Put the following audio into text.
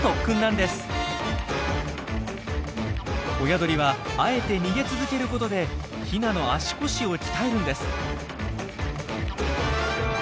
親鳥はあえて逃げ続けることでヒナの足腰を鍛えるんです。